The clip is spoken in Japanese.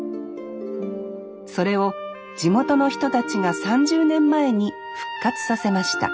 それを地元の人たちが３０年前に復活させました